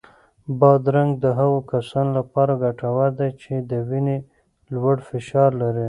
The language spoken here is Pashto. بادرنګ د هغو کسانو لپاره ګټور دی چې د وینې لوړ فشار لري.